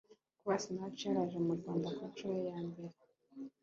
Kuba Sinach yaraje mu Rwanda ku nshuro ye ya mbere